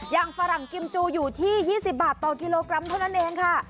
ฝรั่งกิมจูอยู่ที่๒๐บาทต่อกิโลกรัมเท่านั้นเองค่ะ